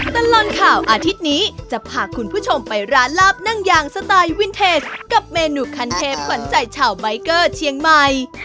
ตลอดข่าวอาทิตย์นี้จะพาคุณผู้ชมไปร้านลาบนั่งยางสไตล์วินเทจกับเมนูคันเทปขวัญใจชาวใบเกอร์เชียงใหม่